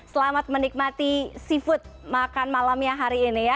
selamat menikmati seafood makan malamnya hari ini ya